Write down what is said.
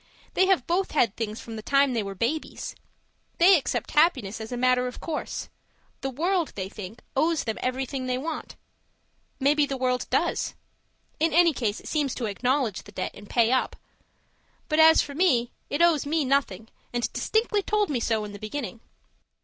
They have both had things from the time they were babies; they accept happiness as a matter of course. The World, they think, owes them everything they want. Maybe the World does in any case, it seems to acknowledge the debt and pay up. But as for me, it owes me nothing, and distinctly told me so in the beginning.